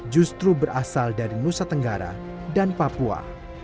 justru berasal dari nusa tenggara dan papua